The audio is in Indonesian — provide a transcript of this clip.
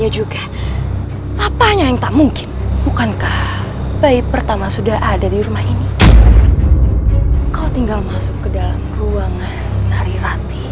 jangan sampai kabur